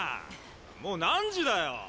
もう何時だよ！？